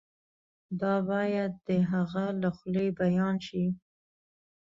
دا باید د هغه له خولې بیان شي.